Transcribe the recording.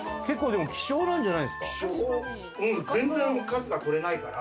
結構でも希少なんじゃないですか？